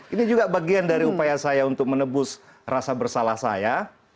ini juga bagian dari upaya saya untuk menebus rasa bersalah saya